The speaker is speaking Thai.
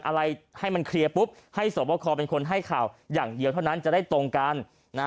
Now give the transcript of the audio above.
อะไรให้มันเคลียร์ปุ๊บให้สวบคอเป็นคนให้ข่าวอย่างเดียวเท่านั้นจะได้ตรงกันนะ